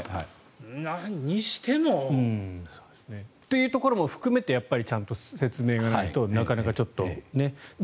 にしても。というところも含めてちゃんと説明がないとなかなかちょっとね。